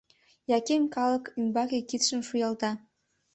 — Яким калык ӱмбаке кидшым шуялта.